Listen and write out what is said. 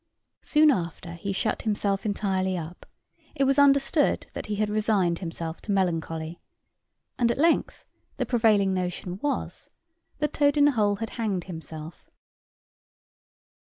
Soon after he shut himself entirely up; it was understood that he had resigned himself to melancholy; and at length the prevailing notion was, that Toad in the hole had hanged himself.